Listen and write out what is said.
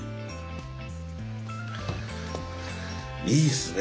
いいっすね